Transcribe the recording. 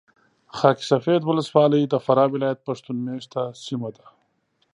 خاک سفید ولسوالي د فراه ولایت پښتون مېشته سیمه ده .